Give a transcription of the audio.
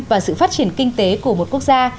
và sự phát triển kinh tế của một quốc gia